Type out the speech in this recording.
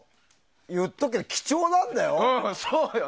言っとくけど貴重なんだよ。